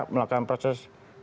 melakukan proses penangkapan